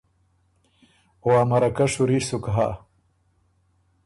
او ا مرکۀ شُوري سُک هۀ۔